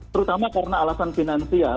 terutama karena alasan finansial